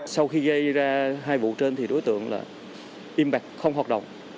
sau khi gây ra hai vụ trên thì đối tượng là im bạc không hoạt động